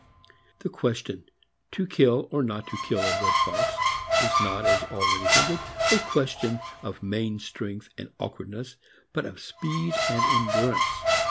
The question, to kill or not to kill a red fox, is not, as already hinted, a question of main strength and awk wardness, but of speed and endurance.